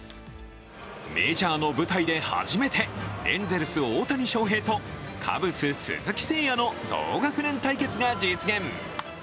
メジャーの舞台で初めてエンゼルス・大谷翔平とカブス鈴木誠也の同学年対決が実現。